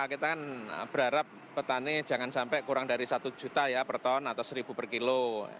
kita kan berharap petani jangan sampai kurang dari satu juta ya per ton atau seribu per kilo